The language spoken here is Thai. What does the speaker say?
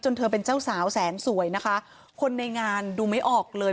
เธอเป็นเจ้าสาวแสนสวยนะคะคนในงานดูไม่ออกเลย